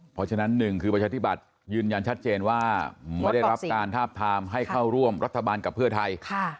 เพราะฉะนั้นหนึ่งคือประชาธิบัติยืนยันชัดเจนว่าไม่ได้รับการทาบทามให้เข้าร่วมรัฐบาลกับเพื่อไทย